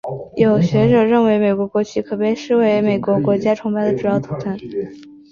有学者认为美国国旗可被视为美国国家崇拜的主要图腾。